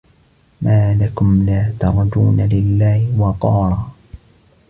ما لكم لا ترجون لله وقارا